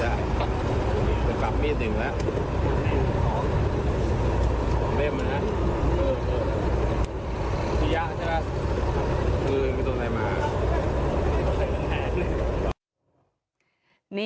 สถานทานโกฑง